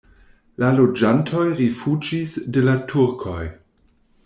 La loĝantoj rifuĝis de la turkoj.